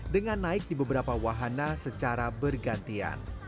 dengan naik di beberapa wahana secara bergantian